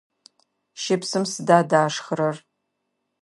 Щыпсым сыда дашхырэр?